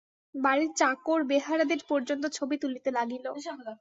বাড়ির চাকর-বেহারাদের পর্যন্ত ছবি তুলিতে লাগিল।